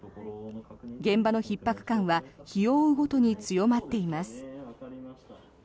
現場のひっ迫感は日を追うごとに強まっています。